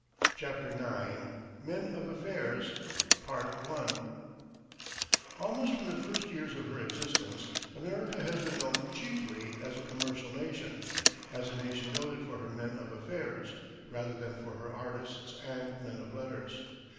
CHAPTER IX MEN OF AFFAIRS Almost from the first years of her existence America has been known chiefly as a commercial nation, as a nation noted for her men of affairs, rather than for her artists and men of letters.